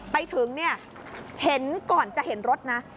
ไปถึงเนี่ยเห็นก่อนจะเห็นรถนะ